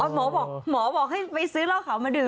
หมอบอกให้ไปซื้อเหล้าขาวมาดื่ม